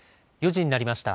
４時になりました。